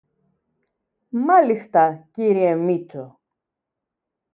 Μάλιστα, κύριε Μήτσο.